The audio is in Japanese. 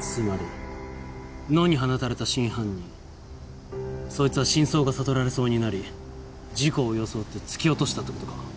つまり野に放たれた真犯人そいつは真相が悟られそうになり事故を装って突き落としたって事か？